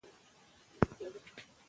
که دیوال وي نو غږ نه وځي.